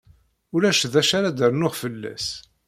Ulac d acu ara d-rnuɣ fell-as.